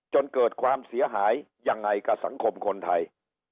จนเกิดความเสียหายยังไงกับสังคมคนไทย